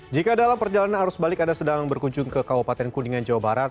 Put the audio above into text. jika dalam perjalanan arus balik anda sedang berkunjung ke kabupaten kuningan jawa barat